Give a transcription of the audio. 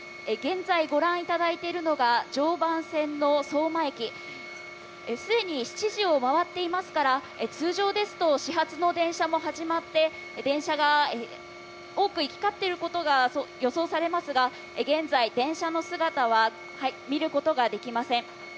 現在、ご覧いただいているのが常磐線の相馬駅、すでに７時を回っていますから、通常ですと始発の電車も始まって、電車が多く行きかっていることが予想されますが、現在、電車の姿は見ることができません。